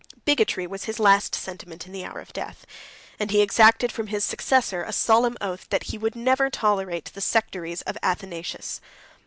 Bigotry was his last sentiment in the hour of death; and he exacted from his successor a solemn oath, that he would never tolerate the sectaries of Athanasius.